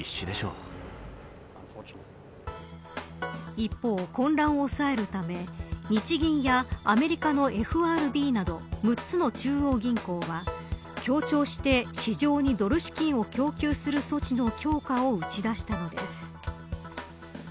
一方、混乱を抑えるため日銀やアメリカのＦＲＢなど６つの中央銀行は強調して市場にドル資金を供給する措置の強化を打ち出したのです。